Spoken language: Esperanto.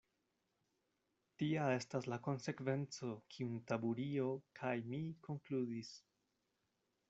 Tia estas la konsekvenco, kiun Taburio kaj mi konkludis.